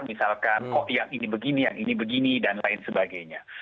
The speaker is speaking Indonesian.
misalkan kok yang ini begini yang ini begini dan lain sebagainya